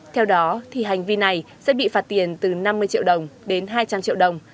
theo đó hành vi này sẽ bị phạt tiền từ năm mươi triệu đồng đến hai trăm linh triệu đồng